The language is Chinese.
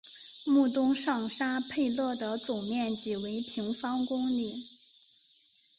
穆东上沙佩勒的总面积为平方公里。